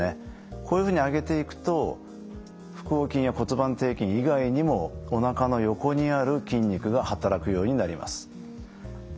こういうふうに上げていくと腹横筋や骨盤底筋以外にもおなかの横にある筋肉が働くようになります。